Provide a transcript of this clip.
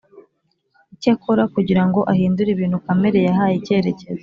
icyo akora kugira ngo ahindure ibintu kamere yahaye icyerekezo